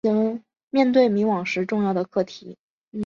面对迷惘时重要的课题